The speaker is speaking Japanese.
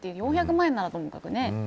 ４００万円ならともかくね。